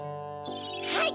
はい！